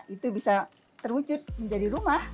itu bisa terwujud menjadi rumah